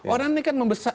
orang ini kan membesar